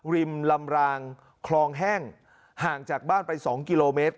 ริมลำรางคลองแห้งห่างจากบ้านไป๒กิโลเมตร